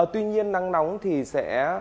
tuy nhiên nắng nóng thì sẽ